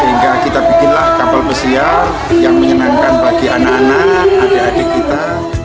sehingga kita bikinlah kapal pesiar yang menyenangkan bagi anak anak adik adik kita